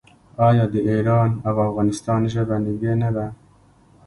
آیا د ایران او افغانستان ژبه نږدې نه ده؟